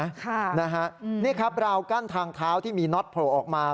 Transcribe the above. ค่ะนะฮะนี่ครับราวกั้นทางเท้าที่มีน็อตโผล่ออกมา